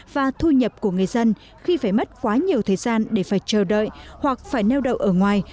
và thu nhập của người dân khi phải mất quá nhiều thời gian để phải chờ đợi hoặc phải neo đậu ở ngoài